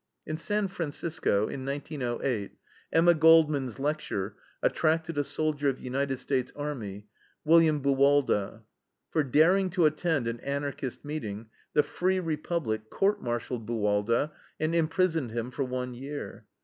In San Francisco, in 1908, Emma Goldman's lecture attracted a soldier of the United States Army, William Buwalda. For daring to attend an Anarchist meeting, the free Republic court martialed Buwalda and imprisoned him for one year.